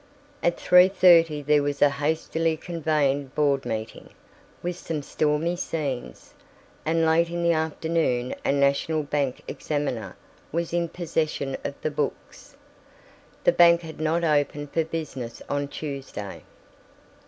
At three thirty there was a hastily convened board meeting, with some stormy scenes, and late in the afternoon a national bank examiner was in possession of the books. The bank had not opened for business on Tuesday.